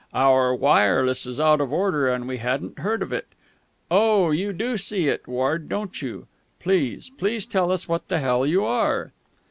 Our wireless is out of order, and we hadn't heard of it.... Oh, you do see it, Ward, don't you?... Please, please tell us what the hell you are!